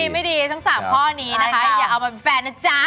ไม่ดีทั้ง๓ข้อนี้นะคะอย่าเอามาเป็นแฟนนะจ๊ะ